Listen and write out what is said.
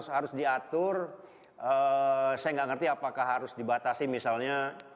harus diatur saya nggak ngerti apakah harus dibatasi misalnya